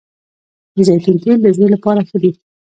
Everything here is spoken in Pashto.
د زیتون تېل د زړه لپاره ښه دي